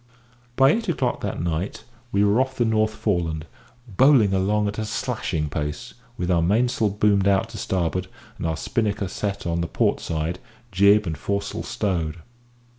By eight o'clock that night we were off the North Foreland, bowling along at a slashing pace, with our mainsail boomed out to starboard, and our spinnaker set on the port side, jib and foresail stowed.